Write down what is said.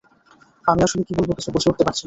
আমি আসলে কী বলব কিছু বুঝে উঠতে পারছি না।